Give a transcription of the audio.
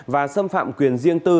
và xâm phạm quyền riêng tư